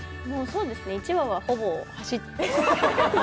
そうですね、１話は、ほぼ走って。